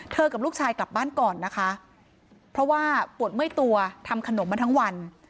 กับลูกชายกลับบ้านก่อนนะคะเพราะว่าปวดเมื่อยตัวทำขนมมาทั้งวัน